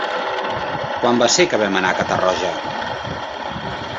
Quan va ser que vam anar a Catarroja?